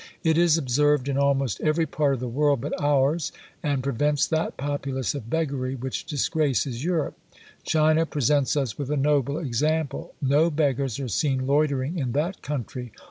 It is observed in almost every part of the world but ours; and prevents that populace of beggary which disgraces Europe. China presents us with a noble example. No beggars are seen loitering in that country.